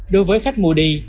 đối với khách mua đi